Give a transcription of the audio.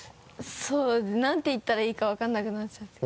そうなんて言ったらいいか分からなくなっちゃって。